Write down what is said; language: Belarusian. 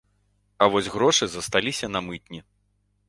А вось грошы засталіся на мытні.